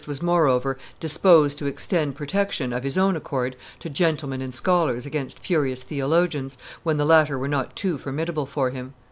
was, moreover, disposed to extend protection, of his own accord, to gentlemen and scholars against furious theologians, when the latter were not too formidable for him.